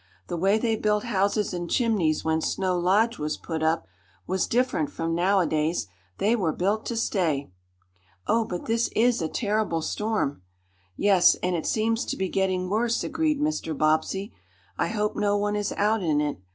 "The way they built houses and chimneys when Snow Lodge was put up was different from nowadays. They were built to stay." "Oh, but this is a terrible storm!" "Yes, and it seems to be getting worse," agreed Mr. Bobbsey. "I hope no one is out in it.